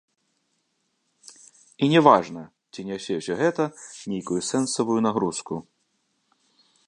І не важна, ці нясе ўсё гэта нейкую сэнсавую нагрузку.